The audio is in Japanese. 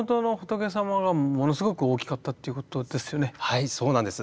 はいそうなんです。